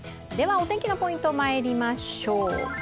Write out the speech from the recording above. お天気のポイントまいりましょう。